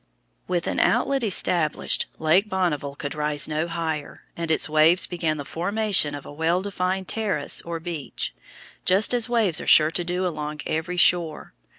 With an outlet established, Lake Bonneville could rise no higher, and its waves began the formation of a well defined terrace or beach, just as waves are sure to do along every shore.